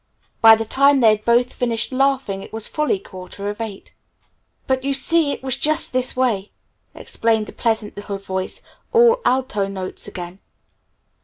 By the time they had both finished laughing it was fully quarter of eight. "But you see it was just this way," explained the pleasant little voice all alto notes again.